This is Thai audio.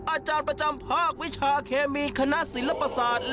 อาจารย์ประจำภาควิชาเคมีคณะศิลปศาสตร์